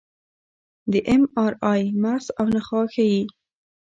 د اېم ار آی مغز او نخاع ښه ښيي.